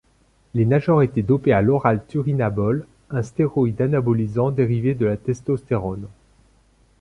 Les nageurs étaient dopés à l'Oral-Turinabol, un stéroïde anabolisant dérivé de la testostérone.